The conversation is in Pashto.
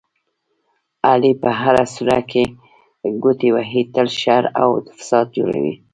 علي په هره سوړه کې ګوتې وهي، تل شر او فساد جوړوي.